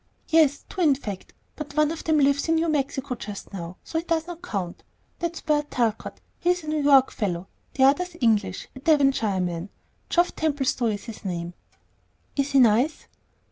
"Yes, two, in fact; but one of them lives in New Mexico just now, so he does not count. That's Bert Talcott. He's a New York fellow. The other's English, a Devonshire man. Geoff Templestowe is his name." "Is he nice?"